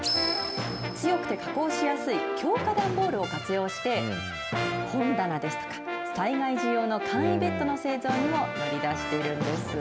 強くて加工しやすい強化段ボールを活用して、本棚ですとか、災害時用の簡易ベッドの製造にも乗り出しているんです。